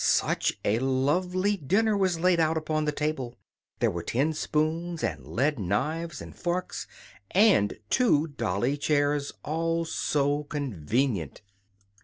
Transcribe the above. Such a lovely dinner was laid out upon the table! There were tin spoons, and lead knives and forks, and two dolly chairs all SO convenient!